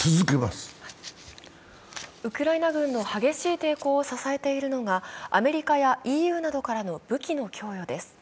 ウクライナ軍の激しい抵抗を支えているのが、アメリカやＥＵなどからの武器の供与です。